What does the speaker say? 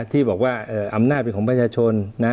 ที่บอกว่าอำนาจเป็นของประชาชนนะ